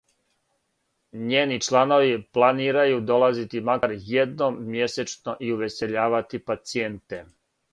Њени чланови планирају долазити макар једном мјесечно и увесељавати пацијенте.